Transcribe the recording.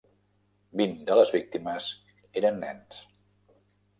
Vint de les víctimes eren nens.